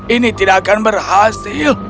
ini tidak akan berhasil